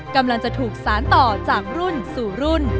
กำลังจะถูกสารต่อจากรุ่นสู่รุ่น